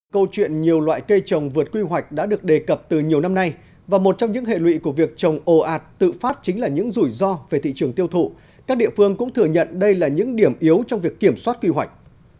câu chuyện nhiều loại cây trồng vượt quy hoạch đã được đề cập từ nhiều năm nay và một trong những hệ lụy của việc trồng ồ ạt tự phát chính là những rủi ro về thị trường tiêu thụ các địa phương cũng thừa nhận đây là những điểm yếu trong việc kiểm soát quy hoạch